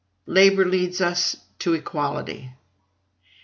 Labor leads us to equality.